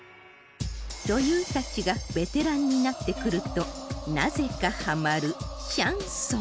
女優たちがベテランになってくるとなぜかハマるシャンソン